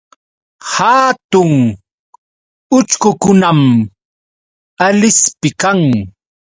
Hatun uchkukunam Alispi kan.